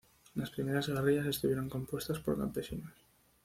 Las primeras guerrillas estuvieron compuestas por campesinos.